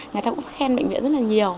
người ta cũng khen bệnh viện rất là nhiều